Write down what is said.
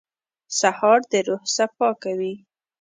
سهار د روح صفا کوي.